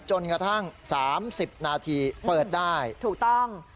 จนกระทั่ง๓๐นาทีเปิดได้ถูกต้อง